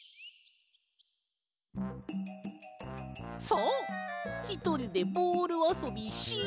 さあひとりでボールあそびしよっと！